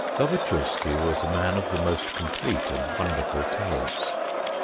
Lobatchewsky was a man of the most complete and wonderful talents.